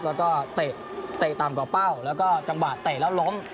แล้วก็เตะต่ำกว่าเป้าแล้วก็จังหวะเตะแล้วล้ม